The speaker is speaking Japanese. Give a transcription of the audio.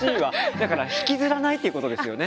だから引きずらないっていうことですよね。